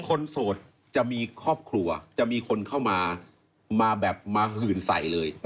โสดจะมีครอบครัวจะมีคนเข้ามามาแบบมาหื่นใส่เลย